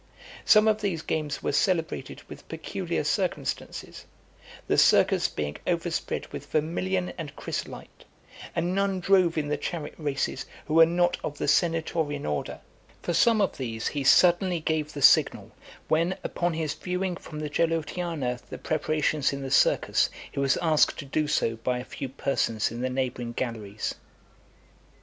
Some of these games were celebrated with peculiar circumstances; the Circus being overspread with vermilion and chrysolite; and none drove in the chariot races who were not of the senatorian order. For some of these he suddenly gave the signal, when, upon his viewing from the Gelotiana the preparations in the Circus, he was asked to do so by a few persons in the neighbouring galleries. XIX.